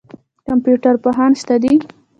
کمپیوټر پوهان شته دي.